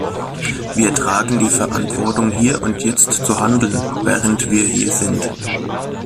Wir tragen die Verantwortung, hier und jetzt zu handeln, während wir hier sind.